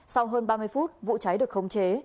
sau hơn ba mươi phút vụ cháy được khống chế